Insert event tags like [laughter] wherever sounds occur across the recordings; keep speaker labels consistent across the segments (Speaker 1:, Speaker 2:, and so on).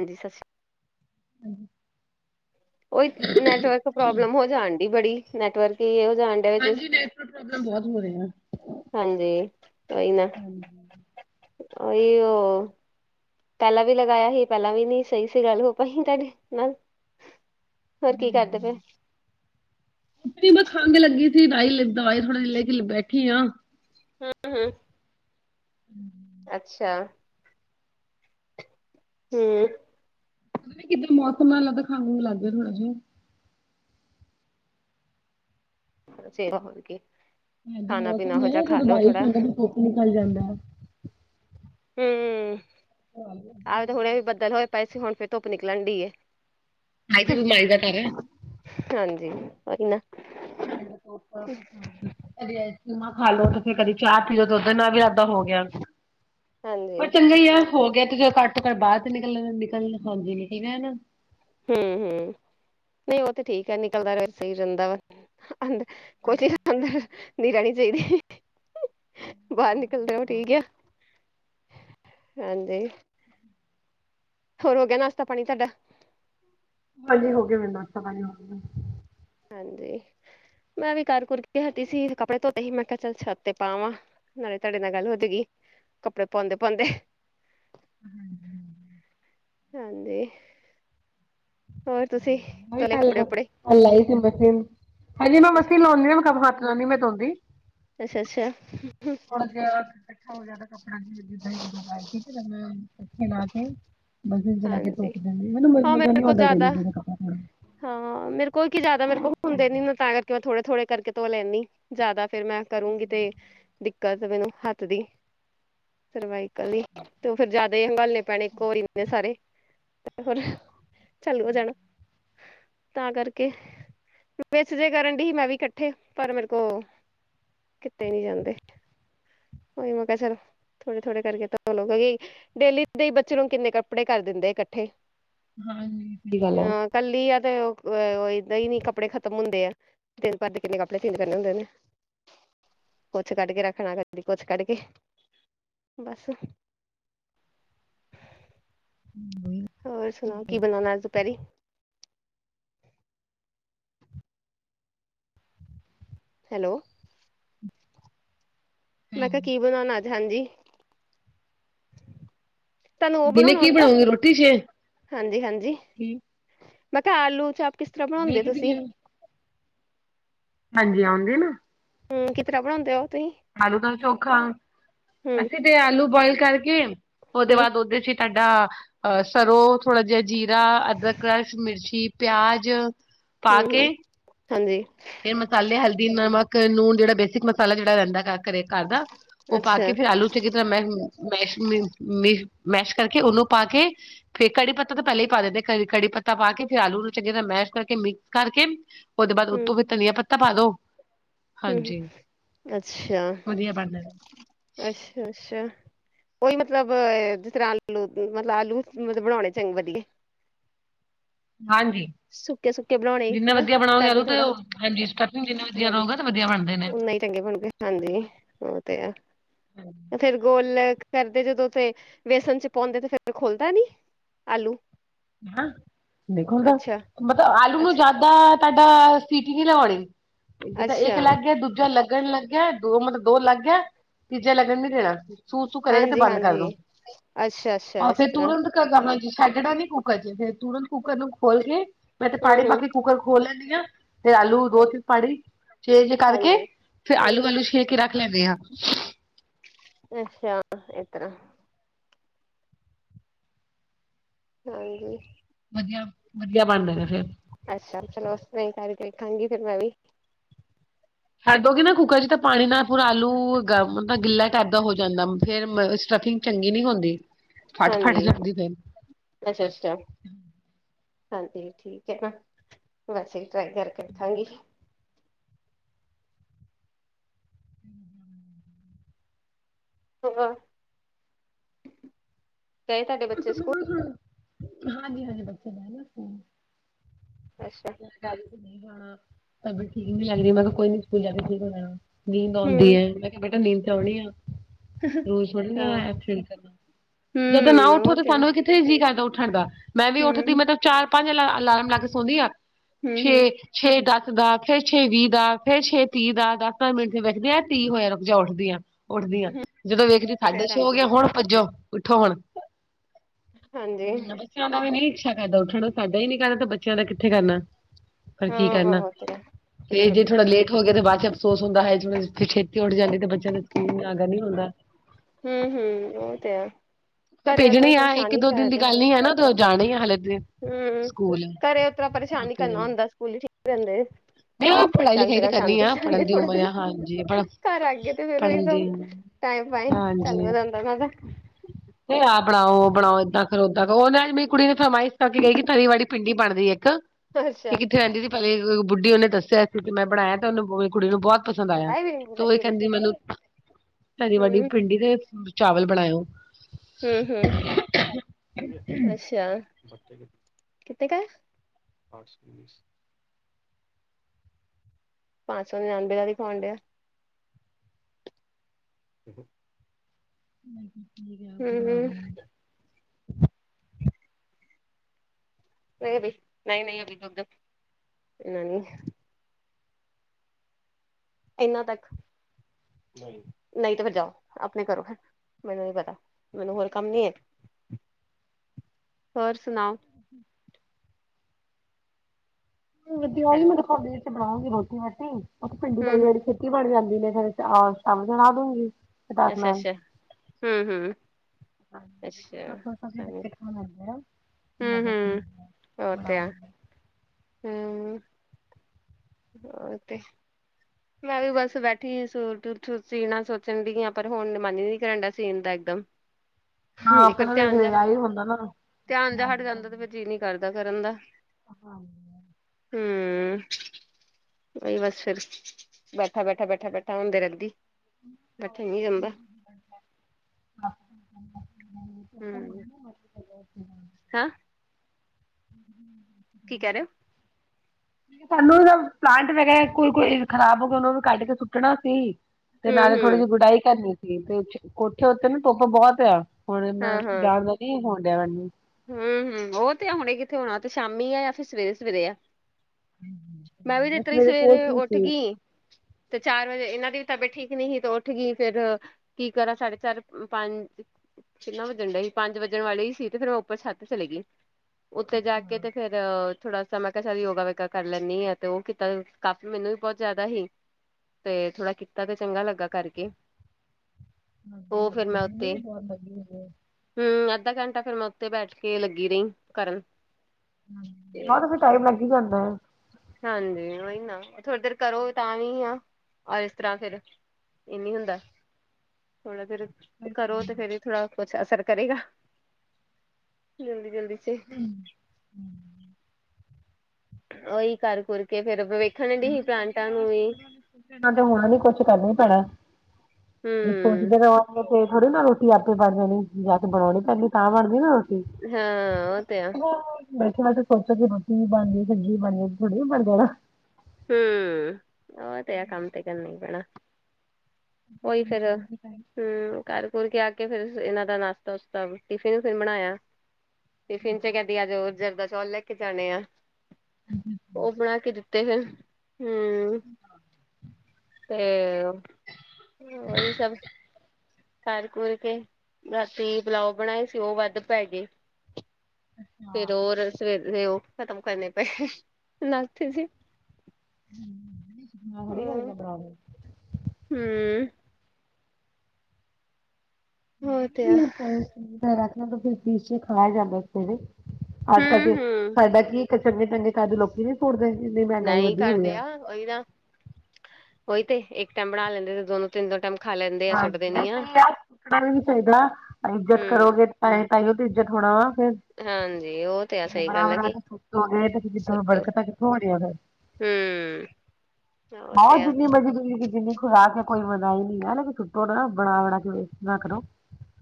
Speaker 1: ਸਤਿ ਸ਼੍ਰੀ ਆਕਾਲ।
Speaker 2: ਹਾਂਜੀ।
Speaker 1: ਓ ਨੈਟਵਰਕ ਪ੍ਰੋਬਲਮ ਹੋ ਜਾਣ ਡਈ, ਬੜੀ ਨੈਟਵਰਕ ਹੋ ਜਾਣ ਡ ਵਿੱਚ
Speaker 2: ਹਾਂਜੀ, ਨੈਟਵਰਕ ਪ੍ਰੋਬਲਮ ਬਹੁਤ ਹੋ ਰਹੇ ਆ।
Speaker 1: ਹਾਂਜੀ, ਉਹੀ ਨਾ
Speaker 2: ਹਾਂਜੀ,
Speaker 1: ਉਹੀ- ਉਹ ਪਹਿਲਾਂ ਵੀ ਲਗਾਇਆ ਸੀ, ਪਹਿਲਾਂ ਵੀ ਨ ਸਹੀ ਸੀ ਗੱਲ ਹੋ ਪਾਈ, ਤੁਹਾਡੇ ਨਾਲ ਹੋਰ, ਕੀ ਕਰਦੇ ਫਿਰ?
Speaker 2: ਬੜੀ ਖੰਘ ਲੱਗੀ ਸੀ, ਰਾਈ ਦਵਾਈ ਥੋੜਾ ਜਿਹੀ ਲੈ ਕੇ ਬੈਠੀ ਆ
Speaker 1: ਹਮ-ਹਮ
Speaker 2: ਹਮ
Speaker 1: ਅੱਛਾ ਹਮ
Speaker 2: ਕਿੱਦਾਂ ਮੌਸਮ ਨਾਲ, ਦਿਖ ਖਾਣ ਲਗ ਗਿਆ ਥੋੜਾ ਜੇਹਾ
Speaker 1: ਸੇਵਾ ਹੋਰ ਕੀ
Speaker 2: ਹਾਂਜੀ, ਮੌਸਮ ਹੀ ਹੈ ਨਾ ਥੋੜੇ
Speaker 1: ਹਮ।
Speaker 2: [unintelligible]
Speaker 1: ਹਾਂਜੀ, ਆ ਹੀ ਨਾ
Speaker 2: [unintelligible] ਕਦੀ ਆਈਸਕ੍ਰੀਮਾਂ ਖਾ ਲੋ ਤੇ ਫਿਰ ਕਦੀ ਚਾਹ ਪੀਟ ਦੁੱਧ ਨਾਲ ਵੀ ਇੱਦਾਂ ਹੋ ਗਿਆ
Speaker 1: ਹਾਂਜੀ
Speaker 2: ਪਰ ਚੰਗਾ, ਹੀ ਆ
Speaker 1: ਉਹ
Speaker 2: ਹੋ ਗਿਆ, ਤੇ ਘੱਟ ਤੋਂ ਘੱਟ ਬਾਹਰ ਚ ਨਿਕਲ ਨਿਕਲ ਹਾਂਜੀ ਨਿਕਲ ਰਿ ਨਾ
Speaker 1: ਹਮ-ਹਮ, ਨਹੀਂ ਉਹ ਤੇ ਠੀਕ ਹੈ ਨਿਕਲਦਾ ਫਿਰ ਸਹੀ ਰਹਿੰਦਾ ਵਾ ਅੰਦਰ, ਕੋਈ ਚੀਜ਼ ਅੰਦਰ ਨ੍ਹੀ ਰਹਿਣੀ ਚਾਹੀਦੀ ਬਾਹਰ ਨਿਕਲਦੇ ਰਹੋ ਠੀਕ ਆ, ਹਾਂਜੀ ਹੋਰ ਹੋ ਗਿਆ, ਨਾਸ਼ਤਾ ਪਾਣੀ ਤੁਹਾਡਾ?
Speaker 2: ਹਾਂਜੀ, ਹੋ ਗਏ ਮੇਰਾ ਨਾਸ਼ਤਾ ਪਾਣੀ ਹੋ ਗਿਆ
Speaker 1: ਹਾਂਜੀ, ਮੈਂ ਵੀ ਕਰ- ਕੁੁਰ ਕੇ ਹਟੀ ਸੀ, ਕੱਪੜੇ ਧੋਤੇ ਸੀ ਮੈਂ ਕਿਹਾ ਚੱਲ ਛੱਤ ਤੇ ਪਾਵਾਂ ਨਾਲੇ ਤੁਹਾਡੇ ਨਾਲ ਗੱਲ ਹੋਜੂਗੀ ਕੱਪੜੇ ਪਾਉਂਦੇ-ਪਾਉਂਦੇ
Speaker 2: ਹਮ-ਹਮ।
Speaker 1: ਹਾਂਜੀ ਹੋਰ ਤੁਸੀਂ
Speaker 2: [unintelligible] ਨੀ
Speaker 1: ਧੋਲੇ ਕੱਪੜੇ ਕੁਪੜੇ ਅੱਛਾ
Speaker 2: ਮੈਂ ਧੌਦੀ
Speaker 1: ਅੱਛਾ-ਅੱਛਾ।
Speaker 2: ਹੋੜ ਕੇ ਇਕੱਠਾ ਹੋ ਜਾਂਦਾ ਕੱਪੜਾ ਇੱਕ ਦੋ ਵਾਰ ਤੇ ਮੈਂੱਥੇ ਲਾ ਕੇ ਬੱਸ ਚਲਾ ਕੇ
Speaker 1: ਹਾਂਜੀ
Speaker 2: ਤੋੱਕ ਜਾਂ ਮੈਨੂੰ
Speaker 1: ਹਾਂ
Speaker 2: ਮਜ਼ਾ
Speaker 1: ਮੇਰੇ
Speaker 2: ਨੀ
Speaker 1: ਕੋਲ
Speaker 2: ਆਉਦਾ
Speaker 1: ਜ਼ਿਆਦਾ ਹਾਂ ਮੇਰੇ ਕੋਲ ਕੀ ਜਿਆਦਾ ਮੇਰੇ ਕੋਲ ਹੁੰਦੇ ਨੀ ਤਾਂ ਕਰਕੇ ਮੈਂ ਥੋੜੇ ਥੋੜੇ ਕਰਕੇ ਤ ਲੈਦੀ ਜ਼ਿਆਦਾ ਫੇਰ ਮੈਂ ਕਰੂੰਗੀ ਤੇ ਮੈਨੂੰ ਹੱਥ ਦੀ ਸਰਵਾਈਕਲ ਦੀ ਤੇ ਉਹ ਫਿਰ ਜਿਆਦਾ ਹੀ ਹੰਗਾਲੇ ਪੈਣੇ ਕੋਈ ਸਾਰੇ ਹੋਰ ਚਾਲੂ ਹੋ ਜਾਣਾ ਤਾਂ ਕਰਕੇ ਵਿੱਚ ਜੇ ਕਰਨ ਡ ਸੀ ਮੈਂ ਵੀ ਇਕੱਠੇ ਪਰ ਮੇਰੇ ਕੋਲ ਕਿਤੇ ਨੀ ਜਾਂਦੇ ਹੀ ਮ ਕਿਹਾ ਚੱਲ ਥੋੜੇ-ਥੋੜੇ ਕਰਕੇ ਤਾਂਲ ਡੇਲੀ ਦੇ ਹੀ ਬੱਚੇ ਨੂੰ ਕਿੰਨੇ ਕੱਪੜੇ ਕਰ ਦਿੰਦੇ ਇਕੱਠੇ
Speaker 2: ਹਾਂਜੀ ਸਹੀ ਗੱਲ ਹੈ
Speaker 1: ਅ ਕੱਲੀ ਆ ਤੇ ਏਦਾਂ ਹੀ ਨੀ ਕੱਪੜੇ ਖ਼ਤਮ ਹੁੰਦੇ ਆ ਦਿਨ ਭਰ ਦੇ ਕਿੰਨੇ ਕੱਪੜੇ ਪੀਂਦ ਕਰਨੇ ਹੁੰਦੇਨੇ ਕੁੱਛ ਕੱਢ ਕੇ ਰੱਖਣਾ ਦੀ ਕੁਛ ਕਰਕੇ ਬੱਸ
Speaker 2: ਬਈ
Speaker 1: ਹੋਰ ਸੁਣਾੋ ਕੀ ਬਣਾਉਣਾ ਅਜ ਦੁਪਹਿਰੀ ਹੈਲੋ ਮੈਂ ਕਿਹਾ, ਕੀ ਬਣਾਉਣਾ ਅੱਜ? ਹਾਂਜੀ। ਤੁਹਾਨੂੰ ਉਹ
Speaker 2: ਦਿਨੇ
Speaker 1: ਬਣਾਉਣਾ
Speaker 2: ਕੀ
Speaker 1: ਹੁੰਂਦਾ,
Speaker 2: ਬਣਾਉਂਗੀ ਰੋਟੀ ਛੇ
Speaker 1: ਹਾਂ ਜੀ, ਹਾਂ ਜੀ। ਮੈਂ ਕਿਹਾ, ਆਲੂ ਚਾਪ ਕਿਸ ਤਰ੍ਹਾਂ ਬਣਾਉਂਦੇ ਹੋ
Speaker 2: ਵੇਖਦੀ
Speaker 1: ਤੁਸੀਂ?
Speaker 2: ਆ ਹਾਂਜੀ, ਆਉਂਦੇ ਨਾ!
Speaker 1: ਹੁੰ, ਕਿਸ ਤਰ੍ਹਾਂ ਬਣਾਉਂਦੇ ਹੋ ਤੁਸੀਂ?
Speaker 2: ਆਲੂ ਦਾ ਚੋਖਾ
Speaker 1: ਹਮ
Speaker 2: ਅਸੀਂ ਤੇ ਆਲੂ ਬੋਇਲ ਕਰਕੇ, ਉਹਦੇ
Speaker 1: ਹਮ
Speaker 2: ਬਾਅਦ ਉਹਦੇ 'ਚ ਸਾਡਾ । ਅ, ਸਰੋਂ ਥੋੜਾ ਜਿਹਾ, ਜੀਰਾ, ਅਦਰਕ, ਕਰ੍ਰਚ, ਮਿਰਚੀ, ਪਿਆਜ
Speaker 1: ਹੁੰ, ਹੁੰ ਹਾਂ ਜੀ।
Speaker 2: ਏ ਮਸਾਲੇ - ਹਲਦੀ, ਨਮਕ, ਨੂਨ । ਜਿਹੜਾ ਬੇਸਿਕ ਮਸਾਲਾ ਜਿਹੜਾ ਰਹਿੰਦਾ ਘਰ । ਕਰੇ ਘਰ ਦਾ ਉਹ ਪਾ ਕੇ,
Speaker 1: ਅੱਛਾ
Speaker 2: ਫੇਿਰ ਆਲੂ। ਚਗੀ ਤਰ੍ਹਾਂ ਮੈਸ਼ ਕਰਕੇ, ਉਹਨੂੰ ਪਾ ਕੇ । ਫੇਰ ਕੜੀ ਪੱਤਾ ਤਾਂ ਪਹਿਲਾਂ ਹੀ ਪਾ ਦਿੰਦੇ ਆ । ਕੜੀ ਪਤਾ ਪਾ ਕੇ, ਫਿਰ ਆਲੂ ਨੂੰ ਚੰਗੀ ਦਾ ਮੈਸ਼ ਕਰਕੇ ਮਿਕਸ ਕਰਕੇ। ਉਹਦੇ ਬਾਅਦ ਉੱਤੋਂ ਫਿਰ ਧਨੀਆ ਪੱਤਾ ਪਾ ਦੋ
Speaker 1: ਹਮ
Speaker 2: ਹਾਂਜੀ ਵਧੀਆ ਬਣ ਜਾਣਾ
Speaker 1: ਅੱਛਾ-ਅੱਛਾ-ਅੱਛਾ ਕੋਈ ਮਤਲਬ ਜਿਸ ਤਰ੍ਹਾਂ ਆਲੂ ਮਤਲਬ ਆਲੂ ਮਤਲਬ ਬਣਾਉਣੇ ਚੰਗੇ ਵਧੀਆ
Speaker 2: ਹਾਂਜੀ
Speaker 1: ਸੁੱਕੇ-ਸੁੱਕੇ ਬਣਾਉਣੇ
Speaker 2: ਜਿੰਨਾ
Speaker 1: ਹਨਾ
Speaker 2: ਵਧੀਆ
Speaker 1: ਤਾਂ
Speaker 2: ਬਣਾਉਗੇ ਅਲੂ
Speaker 1: ਕਿ ਥੋੜਾ
Speaker 2: ਤੇਜੀਪ ਜਿੰਨਾ ਵਧੀਆ ਬਗਾ ਤੇ ਵਧੀਆ ਬਣਦੇ ਨੇ
Speaker 1: ਉਨਾ ਹੀ ਚੰਗੇ ਬਣਗੇ ਹਾਂਜੀ ਉਹ ਤੇ ਆ
Speaker 2: [unintelligible]
Speaker 1: ਫਿਰ ਗੋਲ ਕਰਦੇ । ਜਦੋ ਤੇ ਵੇਸਨ ਚ ਪਾਉਂਦੇ ਤੇ ਫਿਰ ਖੁੱਲਦਾ ਨੀ ਆਲੂ।
Speaker 2: ਹੈ, ਦੇਖੋ ਤਾਂ
Speaker 1: ਅੱਛਾ,
Speaker 2: ਮਤਲਬ ਆਲੂ ਨੂੰ,
Speaker 1: ਅੱਛਾ,
Speaker 2: ਜਾਂ? ਤੁਹਾਡਾ ਸੀਟੀ ਨਹੀਂ ਲਵਾਉਣੀ । ਜਿੱਦਾਂ ਇੱਕ
Speaker 1: ਅੱਛਾ
Speaker 2: ਲੱਗ ਗਿਆ, ਦੂਜਾ ਲੱਗੇ । ਲੱਗਣ ਲੱਗ ਗਿਆ । ਦੋ ਮਤਲਬ ਦੋ ਲੱਗ ਗਿਆ, ਤੀਜਾ ਲਗਨ ਨੀ ਦੇਣਾ। ਸੂ- ਸੂ ਕਰੇਗਾ ਤੇ ਬੰਦ
Speaker 1: ਹਾਂਜੀ-ਹਾਂਜੀ
Speaker 2: ਕਰਦੋ ।
Speaker 1: ਅੱਛਾ-ਅੱਛਾ
Speaker 2: ਆਹ
Speaker 1: ਇਸ
Speaker 2: ਫੇਰ
Speaker 1: ਤਰ੍ਹਾਂ
Speaker 2: ਤੁਰੰਤ। ੱਕ ਕਰਨਾ, ਛੱਡਣਾ ਨੀ ਕੁੱਕਰ 'ਚ ਫਿਰ ਤੁਰੰਤ ਕੁੱਕਰ ਨੂੰ ਖੋਲ ਕੇ,,,, ਮੈਂ ਤੇ ਪਾਣੀ
Speaker 1: ਹੂੰ-ਹੂੰ
Speaker 2: ਪਾਕੇ ਕੁੂੱਕਰ ਖੋਲ ਲੈਂਦੀ ਹਾਂ। ਫਿਰ ਆਲੂ ਦੋ
Speaker 1: ਹਾਂਜੀ,
Speaker 2: -ਤਿੰਨ ਪਾਣੀ ਚੇਂਜ ਕਰਕੇ
Speaker 1: ਹਾਂਜੀ
Speaker 2: ਫਿਰ ਆਲੂ
Speaker 1: ਹੂੰ-ਹੂੰ
Speaker 2: -ਆਲੂ ਛਿੱਲ ਕੇ ਰੱਖ ਲੈਂਦੇ ਹਾਂ।
Speaker 1: ਅੱਛਾ, ਇਸ ਤਰ੍ਹਾਂ। ਹਾਂਜੀ ।
Speaker 2: ਵਧੀਆ -ਵਧੀਆ ਬਣਦੇ ਨੇ, ਫੇਿਰ।
Speaker 1: ਅੱਛਾ, ਚਲੋ ਉਸ ਤਰ੍ਹਾਂ ਹੀ ਕਰਕੇ ਵੇਖਾਂਗੀ, ਫਿਰ ਮੈਂ ਵੀ।
Speaker 2: ਛੱਡ ਦੋਗੇ ਨਾ ਕੁੱਕਰ ਚ ਤਾਂ ਪਾਣੀ ਨਾਲ ਫਿਰ ਆਲੂ ਗਰਮ ਗਿੱਲਾ ਟਾਈਪ ਦਾ ਹੋਂ ਜਾਂਦਾ । ਫੇਿਰ ਸਟਫਿੰਗ ਚੰਗੀ ਨਹੀਂੀ ਹੁੰਦੀ। ਫਟ ਫਟ
Speaker 1: ਹਾਂਜੀ,
Speaker 2: ਜਾਂਦੀ ਫੇਰ
Speaker 1: ਅੱਛਾ- ਅੱਛਾ। ਹਾਂਜੀ, ਠੀਕ ਹੈ ਨਾ। ਵਸ ਹੀ ਟਰਾਈ ਕਰਕੇ ਉਠਾਂਗੀ। ਸ ਆ [unintelligible]
Speaker 2: ਹਾਂਜੀ, ਹਾਂਜੀ। ਬੱਚੇ ਦਾ ਨਾ [unintelligible]
Speaker 1: ਅੱਛਾ।
Speaker 2: ਖਾਣਾ ਨਹੀਂ ਖਾਣਾ, ਤਬੀਅਤ ਠੀਕ ਨੀ ਲੱਗਦੀ । ਮੈਂ ਕਿਹਾ, ਕੋਈ ਨੀ, ਸਕੂਲ ਜਾਂ ਕੇ ਠੀਕ ਹੋਂ ਜਾਣਾ । ਨੀਂਦ ਆਉਂਦੀ
Speaker 1: ਹੂੰ
Speaker 2: ਹੈ? ਮੈਂ ਕਿਹਾ, ਬੇਟਾ, ਨੀਂਦ ਤੇ ਆਉਣੀ ਆ। ਰੋਜ਼ ਥੋੜੀ
Speaker 1: ਹਾਂ
Speaker 2: ਨਾ ਇਥੇ ਕਰਨਾ, ਜਦੋਂ ਨਾਠ। [unintelligible]
Speaker 1: ਹੂੰ ਉਹ ਤੇ
Speaker 2: ਸਾਨੂੰ ਕਿੱਥੇ ਜੀਅ ਕਰਦਾ ਉੱਠਣ ਦਾ! ਮੈਂ ਵੀ ਉੱਠਦੀ ! ਮਤਲਬ ਚਾਰ - ਪੰਜ ਅਲਾਰਮ ਲੱਗ ਸੌਂਦੀ ਆ।
Speaker 1: ਹੂੰ-ਹੂੰ-ਹੂੰ
Speaker 2: ੇ ਛੇ ਦਸ ਦਾ, ਫੇਰ ਛੇ ਵੀਹ, ਦਾ ਫੇਰ ਛੇ ਤੀਹ ਦਾ। ਦਸ - ਮਿੰਟ ਵੇਚਦੇ ਆ । ਤੀਹ ਹੋਇਆ ਰੁਕਜ਼ਾ ਉੱਠਦੀਆਂ। ਉੱਠਦੀਆਂ, ਜਦੋਂ ਵੇਖਦੀ,
Speaker 1: ਉਹ ਤੇ ਹੈ,
Speaker 2: ਸਾਡੇ ਛੇ ਹੋ ਗਿਆ! ਹੁਣ
Speaker 1: ਤੁਹਾਨੂੰ
Speaker 2: ਭੱਜੋ, ਉੱਠੋ ਹੁਣ।
Speaker 1: ਹਾਂਜੀ
Speaker 2: ਬੱਚਿਆਂ ਦਾ ਵੀ ਨ ਇੱਛਾ ਕਰਦਾ ਉੱਠਣਾ। ਸਾਡਾ ਹੀ ਨੀ ਕਰਨਾ ਤਾਂ ਬੱਚਿਆਂ ਦਾ ਕਿੱਥੇ ਕਰਨਾ। ਪਰ ਕੀ
Speaker 1: ਹਾਂ
Speaker 2: ਕਰਨਾ
Speaker 1: ਉਹ ਤੇ ਹੈ
Speaker 2: ਫੇਰ, ਜੇ ਥੋੜ੍ਹਾ ਲੇਟ ਹੋ ਗੇ ਤੋਂ ਬਾਅਦ 'ਚ' ਅਫਸੋਸ ਹੁੰਦਾ ਹੈ। ਜੇ ਛੇਤੀ ਉੱਠ ਜਾਂਦੀ, ਤੇ ਬੱਚਿਆਂ ਦੇ ਸਕੂਲ ਨਾਗਾ ਨਹੀਂ ਹੁੰਦਾ।
Speaker 1: ਹੂੰ, ਹੂੰ ਉਹ ਤੇ ਆ।
Speaker 2: ਮੈਂ ਭੇਜਣੀ ਆ ਇੱਕ ਦੋ ਦਿਨ ਦੀ ਗੱਲ ਨੀ ਹੈ ਨਾ ਤੇ ਜਾਣਾ ਆ ਹਾਲੇ ਦਿਨ
Speaker 1: ਹਮ ਘਰੇ ਉਸਤਰਾ ਪਰੇਸ਼ਾਨ ਹੀ ਕਰਨਾ ਹੁੰਦਾ ਸਕੂਲ ਹੀ ਠੀਕ ਰਹਿੰਦੇ
Speaker 2: ਨਹੀਂ ਪੜ੍ਹਾਈ
Speaker 1: ਕਮ
Speaker 2: ਲਿਖਾਈ
Speaker 1: ਸੇ
Speaker 2: ਤੇ
Speaker 1: ਕਮ
Speaker 2: ਕਰਨੀ ਆ
Speaker 1: ਸ਼ਾਂਤੀ-ਸ਼ਾਂਤੀ
Speaker 2: ਪੜ੍ਹਨ ਦੀ
Speaker 1: ਥੋੜੇ
Speaker 2: ਉਮਰ
Speaker 1: ਦਿਨ
Speaker 2: ਆ ਹਾਂਜੀ
Speaker 1: ਘਰ ਆ ਗਏ ਤੇ ਫੇਰ
Speaker 2: ਪੜ੍ਹਨ
Speaker 1: ਉਹੀ
Speaker 2: ਦੀ
Speaker 1: ਸਭ ਟਾਈਮ ਪਾਏ ਚੱਲ ਵ [unintelligible]
Speaker 2: [unintelligible] ਤੇ ਆਹ ਬਣਾਓ ਉਹ ਬਣਾਓ ਏਦਾਂ ਕਰੋ ਓਦਾਂ ਕਰੋ ਉਹਨੇ ਮੇਰੀ ਕੁੜੀ ਨੇ ਫਰਮਾਇਸ਼ ਕਰਕੇ ਗਈ ਕਿ ਤਰੀ ਵਾਲੀ ਪਿੰਡੀ ਬਣਦੀਏ ਇੱਕ ਇਹ
Speaker 1: ਅੱਛਾ
Speaker 2: ਕਿੱਥੇ ਰਹਿੰਦੀ ਸੀ ਪਹਿਲੇ ਬੁੱਢੀ ਉਹਨੇ ਦੱਸਿਆ ਸੀ ਤੇ ਮੈਂ ਬਣਾਇਆ ਤੇ ਉਹਨੂੰ ਕੁੜੀ ਨੂੰ ਬਹੁਤ ਪਸੰਦ ਆਇਆ
Speaker 1: ਬਤਾਏ ਵੀ
Speaker 2: ਤੇ ਉਹ
Speaker 1: ਬੈਠੀ
Speaker 2: ਕਹਿੰਦੀ ਮੈਨੂੰ ਤਰੀ ਵਾਲੀ ਭਿੰਡੀ ਦੇ ਚਾਵਲ ਬਣਾਇਓ
Speaker 1: ਹਮ ਹਮ ਅੱਛਾ ਕਿਦੇ ਘਰ ਪੰਜ ਸੌ ਨਿਆਨਵੇਂ ਦਾ ਰੀਫੰਡ ਆ
Speaker 2: ਠੀਕ ਆ ਲੈਲੋ
Speaker 1: ਨਹੀਂ, ਅਭੀ ਨਹੀ । ਨਹੀਂ, ਅਭੀ ਦੁੱਧ ਇਨਾ ਨਹੀਂ । ਇਨਾਂ ਤੱਕਆ। ਨਹੀਂ ਤੇ ਫਿਰ ਜਾਓ, ਆਪਣੇ ਕਰੋ । ਫਿਰ ਮੈਨੂੰ ਨੀ ਪਤਾ । ਮੈਨੂੰ ਹੋਰ ਕੰਮ ਨੀ ਹੈ।
Speaker 2: [inaudible]
Speaker 1: ਹੋਰ ਸੁਣਾਓ।
Speaker 2: ਹ ਤੇ ਓਹੀ
Speaker 1: ਹੈਲ
Speaker 2: ਮਤਲਬ ਤੁਹਾਡੇ ਚ ਬਣਾਓਗੀ ਰੋਟੀ- ਵੋਟੀ [unintelligible] ਉ ਭਿੰਡੀ।
Speaker 1: ਹੂੰ
Speaker 2: ਕਈ
Speaker 1: ਹੂੰ
Speaker 2: ਵਾਰੀ ਖੇਤੀ। ਕੀ ਬੜੀ ਜਾਂਦੀ ਮੈਂ ਫਿਰ ਹਾਂ ਸ਼ਾਮੀ ਸੁਣਾ ਦੂੰਗੀ ਕੀਤਾਬ
Speaker 1: ਅੱਛਾ
Speaker 2: ਨਾਲ
Speaker 1: ਅੱਛਾ ਹੂੰ ਹੂੰ
Speaker 2: [unintelligible]
Speaker 1: ਅੱਛਾ ਹਾਂਜੀ ਹੂੰ ਹੂੰ
Speaker 2: ਬਣਾਓ
Speaker 1: ਹਮ ਉਹ ਤੇ ਮੈਂ ਵੀ ਬਸ ਬੈਠੀ ਸੂਟ ਠ ਸੀਣਾ ਸੋਚਣ ਡ ਹਾਂ ਪਰ ਹੁਣ ਮਨ ਹੀ ਨੀ ਕਰਨ ਡਿਆ ਸੀਣ ਦਾ ਇੱਕਦਮ
Speaker 2: ਹਾਂ
Speaker 1: ਇੱਕ ਵਾਰ
Speaker 2: ਆਪਣਾ ਤੇ
Speaker 1: ਧਿਆਨ ਜਾ
Speaker 2: ਵਿਆ ਹੀ ਹੁੰਦਾ ਨਾ
Speaker 1: ਜੀ ਨਹੀਂ ਕਰਦਾ ਕਰਨ ਦਾ
Speaker 2: ਹਾਂ
Speaker 1: ਹਮ ਓਹੀ ਬਸ ਫਿਰ ਬੈਠਾ ਬੈਠਾ ਬੈਠਾ ਬੈਠਾ ਬੈਠਾ ਹੁੰਦੇ ਰਦੀ ਬੈਠਾ ਹੀ ਨੀ ਜਾਂਦਾ ਹੂੰ
Speaker 2: [unintelligible]
Speaker 1: ਹਾਂ
Speaker 2: [unintelligible]
Speaker 1: ਕੀ ਕਹਿ ਰਹੇ ਹੋ
Speaker 2: ਸਾਨੂੰ ਨ ਪਲਾਂਟ ਵਗੈਰਾ ਕੋਈ ਕੋਈ ਖਰਾਬ ਹੋ ਗਿਆ ਉਹਨਾਂ ਨੂੰ ਵੀ ਕੱਢ ਕੇ ਸੁੱਟਣਾ ਸੀ ਤੇ
Speaker 1: ਹੋ
Speaker 2: ਨਾਲੇ ਥੋੜੀ
Speaker 1: ਹੂੰ
Speaker 2: ਜਿਹੀ
Speaker 1: ਹੂੰ
Speaker 2: ਗੁਡਾਈ ਕਰਨੀ ਸੀ ਤੇ ੳਚ ਕੋਠੇ ਉੱਤੇ ਨਾ ਧੁੱਪ ਬਹੁਤ ਆ ਹੁਣ ਮੈਂ ਜਾਣਦਾ ਨੀ ਹੋੁਣ ਡਿਆ ਮੈਨੂੰ
Speaker 1: ਹਮ ਹਮ ਉਹ ਤੇ ਹੁਣੇ ਕਿੱਥੇ ਹੋਣਾ ਤੇ ਸ਼ਾਮੀ ਆ ਫਿਰ ਸਵੇਰੇ ਸਵੇਰੇ ਆ ਮੈਂ ਵੀ ਤੇ
Speaker 2: ਬਸ
Speaker 1: ਇਤਰੀ
Speaker 2: ਮੇਰੇ ਸੋਚ
Speaker 1: ਸਵੇਰੇ
Speaker 2: ਰਹੀ
Speaker 1: ਉੱਠ
Speaker 2: ਸੀ
Speaker 1: ਗਈ ਤੇ ਚਾਰ ਵਜੇ ਇਹਨਾਂ ਦੀ ਵੀ ਤਬੀਅਤ ਠੀਕ ਨਹੀਂ ਸੀ ਤੇ ਉੱਠ ਗਈ ਫੇਰ ਕੀ ਕਰਾਂ ਸਾਢੇ ਚਾਰ ਪੰਜ ਕਿਨਾ ਵਜਣ ਡ ਸੀ ਪੰਜ ਵਜਣ ਵਾਲੇ ਹੀ ਸੀ ਤੇ ਫਿਰ ਉੱਪਰ ਛੱਤ ਚਲੇ ਗਈ ਉੱਥੇ ਜਾ ਕੇ ਤੇ ਫੇਰ ਫ ਥੋੜਾ ਸਮ ਮੈਂ ਕਿਹਾ ਸ਼ਾਇਦ ਯੋਗਾ ਵੋਗਾ ਕਰ ਲੈਂਦੀ ਹਾਂ ਤੇ ਉਹ ਕੀਤਾ ਕਾਫ਼ੀ ਮੈਨੂੰ ਵੀ ਬਹੁਤ ਜ਼ਿਆਦਾ ਹੀ ਤੇ ਥੋੜਾ ਕਿੱ ਕੀਤਾ ਤੇ ਚੰਗਾ ਲੱਗਾ ਕਰਕੇ
Speaker 2: ਹ ਵੀ ਬਹੁਤ ਲੱਗੇ ਹੋ ਆ
Speaker 1: ਹਮ ਅੱਧਾ ਘੰਟਾ ਫੇਰ ਮੈਂ ਉੱਥੇ ਬੈਠ ਕੇ ਲੱਗੀ ਰਹੀ ਕਰਨ
Speaker 2: ਹਾਂ ਬ ਤੇ ਫਿਰ ਟਾਈਮ ਲੱਗ ਹੀ ਜਾਂਦਾ ਹੈ
Speaker 1: ਹਾਂਜੀ ਉਹੀ ਨਾ ਥੋੜੀ ਦੇਰ ਕਰੋ ਤਾਂ ਵੀ ਆ ਔਰ ਇਸ ਤਰ੍ਹਾਂ ਫਿਰ ਇਹ ਨੀ ਹੁੰਦਾ ਥੋੜਾ ਚਿਰ ਕਰੋ ਤੇ ਫੇਰ ਵੀ ਥੋੜਾ ਕੁਛ ਅਸਰ ਕਰੇਗਾ ਜਲਦੀ ਜਲਦੀ ਚ ਓਹੀ ਕਰ ਕੁੁਰ ਕੇ ਫੇਰ ਵੇਖਣ ਡਈ ਸੀ ਪਲਾਂਟਾਂ ਨੂੰ ਵੀ
Speaker 2: ਇਹਨਾਂ ਤੇ ਹੋਣਾ ਵੀ ਕੁਛ ਕਰਨੀ ਹੀ ਪੈਣਾ ਜੇ
Speaker 1: ਹੂੰ,
Speaker 2: ਸੋਚਦੇ ਰਵੋ ਥੋੜੀ ਨਾ ਰੋਟੀ ਆਪੇ ਬਣ ਜਾਣੀ ਜਾ ਕੇ ਬਣਾਉਣੀ ਪਹਿਲੀ ਤਾਂ ਬਣਦੀ ਨਾ ਰੋਟੀ
Speaker 1: ਹਾਂ ਓ ਤੇ ਆ
Speaker 2: ਬੈਠੇ ਬੈਠੇ ਸੋਚੋ ਸਬਜ਼ੀ ਬਣ ਗਈ ਰੋਟੀ ਬਣ ਗਈ ਇਦਾਂ ਥੋੜੀ ਬਣ ਜਾਏਗਾ
Speaker 1: ਹਮ ਉਹ ਤੇ ਆ ਕੰਮ ਤੇ ਕਰਨੇ ਹੀ ਪੈਣਾ ਉਹੀ ਫੇਰ ਹਮ ਘਰ ਘੁਰ ਕੇ ਆ ਕੇ ਫਿਰ ਇਹਨਾਂ ਦਾ ਨਾਸ਼ਤਾਸ਼ਤਾ ਨੁਸਤਾ ਟਿਫਿਨ ਫਿਰ ਬਣਾਇਆ ਟਿਫਿਨ ਚ ਕਹਿੰਦੀ ਆ ਜੋ ਜਰ ਦਾ ਚੌਲ ਲੈ ਕੇ ਜਾਣੇ ਆ ਉਹ ਬਣਾ ਕੇ ਤੇ ਫਿਰ ਹਮ ਤੇ ਇਹੀ ਸਭ ਕਰ ਘੁਰ ਕੇ ਰਾਤੀ ਪਲਾਓ ਬਣਾਏ ਸੀ ਉਹ ਵੱਧ ਪੈ ਗਏ ਫੇਰ ਉਹਰ ਸਵੇਰੇ ਉਹ ਖ਼ਤਮ ਕਰਨੇ ਪਏ ਨਾਸ਼ਤੇ ਚ
Speaker 2: ਸੁ ਥੋੜੀ ਗੱਲ ਦਾ ਬਰਾਬਰ
Speaker 1: ਹਮ ਹੋ ਤੇ
Speaker 2: ਕੀ
Speaker 1: ਆ
Speaker 2: ਫੇਰ [unintelligible] ਖਾਇਆ ਜਾਂਦਾ ਫਿਰ ਵੀ ਅੱਜ ਕੱਲ ਤੇ
Speaker 1: ਹਮ ਹਮ
Speaker 2: ਸਾਡਾ ਕੀ ਇੱਕ ਚੰਗੇ ਚੰਗੇ ਕਦ ਲੋਕੀ ਨਹੀਂ ਘੂਰਦੇ ਜਿੰਨੀ ਮਹਿੰਗਾਈ
Speaker 1: ਨਹੀਂ
Speaker 2: ਵੱਧੀ ਹੋਈ
Speaker 1: ਕਰਦੇ
Speaker 2: ਹੈ
Speaker 1: ਆ ਉਹੀ ਨਾ ਉਹੀ ਤੇ ਇੱਕ ਟਾਈਮ ਬਣਾ ਲੈਂਦੇ ਤੇ ਦੋਨੋ ਤਿੰਨ ਦੋ ਟਾਈਮ ਖਾ ਲੈਣ
Speaker 2: ਸਤਿ ਸ੍ਰੀ ਅਕਾਲ ਵੀ ਚਾਹੀਦਾ ਇੱਜਤ
Speaker 1: ਹਮ
Speaker 2: ਕਰੋਗੇ ਹਾ ਤਾਈ ਉਹ ਇੱਜਤ ਹੋਣਾ ਵ ਫੇਰ
Speaker 1: ਹਾਂਜੀ ਉਹ ਤੇ ਆ ਸਹੀ
Speaker 2: ਬਣਾ
Speaker 1: ਗੱਲ ਹੈ
Speaker 2: ਬਣਾ
Speaker 1: ਕਿ
Speaker 2: ਕੇ ਸੁੱਟੋਗੇ ਤੇ
Speaker 1: ਸੁੱਟੇ
Speaker 2: ਬਰਕਤਾਂ ਕਿੱਥੋਂ ਹੋਣਗੀਆਂ ਮਮੀ ਨੇ ਫਿਰ
Speaker 1: ਹਮ ਉਹ
Speaker 2: ਹਾਂ
Speaker 1: ਤੇ ਆ
Speaker 2: ਜਿੰਨੀ ਮਰਜ਼ੀ, ਜੀ ਜਿੱਦਗੀ ਦੀ ਜਿੰਨੀ ਖੁਰਾਕ ਹੈ। ਕੋਈ ਮਨਾ ਹੀ ਨਹੀਂ, ਹਨਾ ਸੁੱਟੋ ਨਾ ਬਨਾ ਬਨਾ ਕੇ ਰੱਖ ਦੋ।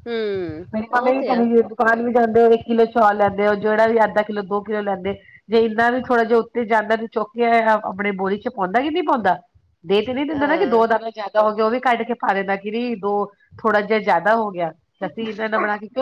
Speaker 1: ਹਮ
Speaker 2: ਮੇਰੀ
Speaker 1: ਉਹ
Speaker 2: ਮੰਮੀੇ, ਵੀ
Speaker 1: ਤੇ ਆ
Speaker 2: ਕਹਿਦੀ ਸੀ। ਪਾਾਨ ਵੀ ਖਾਂਦੇ ਹੋ ਇੱਕ ਕਿੱਲੋ ਚੁਆ ਲੈਂਦੇ ਉ ਜਿਹੜਾ ਵੀ, ਆਦਾ ਕਿੱਲੋ -ਦੋ ਕਿੱਲੋ, ਲੈਂਦੇ ਜੇ ਇਹਨਾਂ ਨੂੰ ਥੋੜ੍ਹਾ ਜਿਹਾ ਉੱਤੇ ਜਾਨਦਾ ਨੂੰ ਚੁੱਕ ਕੇ ਆਪਣੇ ਬੋਰੀ ਚ ਪਾਉਂਦਾ ਕਿ ਨਹੀਂ ਪਾਉਂਦਾ ਇਹ ਤੇ ਨਹੀਂ ਦਿੰਦਾ ਨਾ ਕਿ
Speaker 1: ਹਾਂ
Speaker 2: ਦੋ ਦਾਨੇ ਜ਼ਿਆਦਾ ਹੋ ਗਏ ਉਹ ਵੀ ਕੱਢ ਕੇ ਪਾਰੇ ਦਾ ਕਿ ਥੋੜ੍ਹਾ ਜਿਹਾ ਜ਼ਿਆਦਾ ਹੋ ਗਿਆ ਅਸੀਂ ਇਹਨਾਂ ਨਾਲ ਬਣਾ ਕੇ ਕਿਉਂ